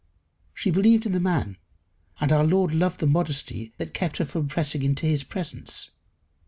She believed in the man, and our Lord loved the modesty that kept her from pressing into his presence.